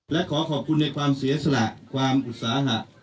และขอขอบคุณในความเสียสละความอุตสาหะ